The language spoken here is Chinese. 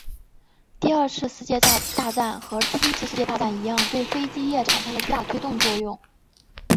第二次世界大战和第一次世界大战一样对飞机业产生了巨大的推动作用。